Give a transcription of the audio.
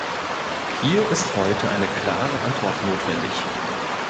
Hier ist heute eine klare Antwort notwendig.